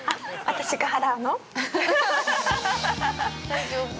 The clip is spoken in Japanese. ◆大丈夫？